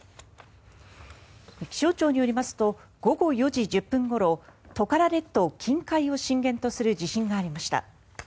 気象庁によりますと午後４時１０分ごろトカラ列島近海を震源とする地震がありました。